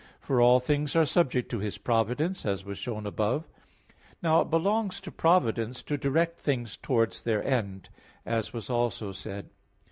For all things are subject to His providence, as was shown above (Q. 22, A. 2). Now it belongs to providence to direct things towards their end, as was also said (Q.